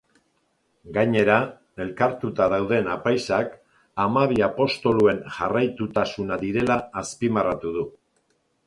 Gainera, elkartuta dauden apaizak hamabi apostoluen jarraitutasuna direla azpimarratu du.